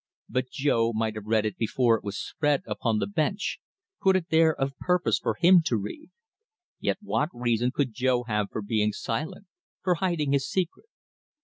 But Jo might have read it before it was spread upon the bench put it there of purpose for him to read. Yet what reason could Jo have for being silent, for hiding his secret?